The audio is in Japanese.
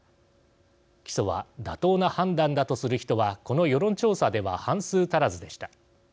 起訴は妥当な判断だとする人はこの世論調査では半数足らずでした。